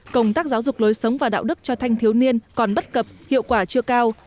công tác giáo dục lối sống và đạo đức cho thanh thiếu niên còn bất cập hiệu quả chưa cao